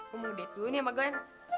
gue mau udah ditunih sama gue